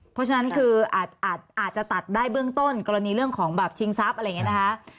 เพราะฉะนั้นคืออาจจะตัดได้เบื้องต้นกรณีเรื่องของแบบชิงทรัพย์อะไรอย่างนี้นะคะ